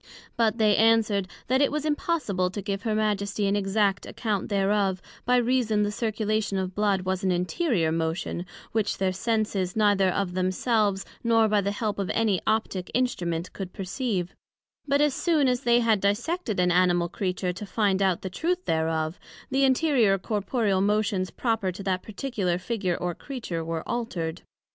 But they answered, That it was impossible to give her Majesty an exact account thereof, by reason the circulation of blood was an interior motion, which their senses, neither of themselves, nor by the help of any Optick Instrument could perceive; but as soon as they had dissected an Animal Creature, to find out the truth thereof, the interior corporeal motions proper to that particular figure or creature, were altered.